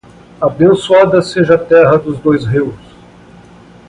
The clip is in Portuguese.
Abençoada seja a terra dos dois rios